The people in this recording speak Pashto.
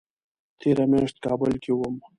تېره میاشت کابل کې وم